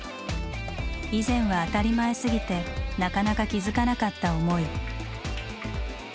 以前は当たり前すぎてなかなか気付かなかった思い。